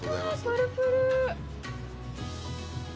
プルプル！